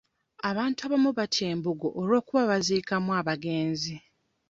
Abantu abamu batya embugo olw'okuba baziikamu abagenzi.